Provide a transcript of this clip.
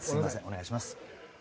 お願いします